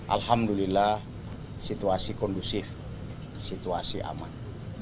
alhamdulillah situasi kondusif situasi aman